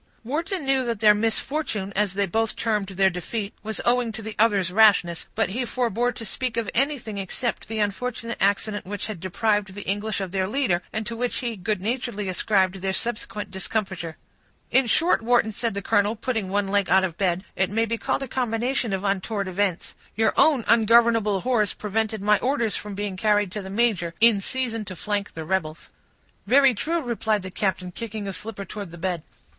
Wharton knew that their misfortune, as they both termed their defeat, was owing to the other's rashness; but he forbore to speak of anything except the unfortunate accident which had deprived the English of their leader, and to which he good naturedly ascribed their subsequent discomfiture. "In short, Wharton," said the colonel, putting one leg out of bed, "it may be called a combination of untoward events; your own ungovernable horse prevented my orders from being carried to the major, in season to flank the rebels." "Very true," replied the captain, kicking a slipper towards the bed.